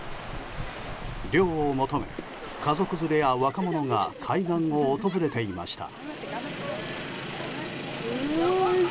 涼を求め、家族連れや若者が海岸を訪れていました。